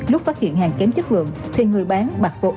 lúc phát hiện hàng kém chất lượng thì người bán bạc vô âm tính